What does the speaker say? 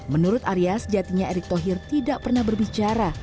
menurut arya sejatinya erick thohir tidak pernah berbicara